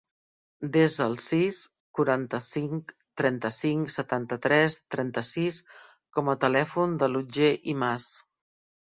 Desa el sis, quaranta-cinc, trenta-cinc, setanta-tres, trenta-sis com a telèfon de l'Otger Imaz.